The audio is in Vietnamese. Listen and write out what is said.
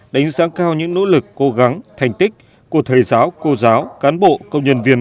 đánh giá cao những nỗ lực cố gắng thành tích của thầy giáo cô giáo cán bộ công nhân viên